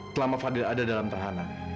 selama fadil ada dalam tahanan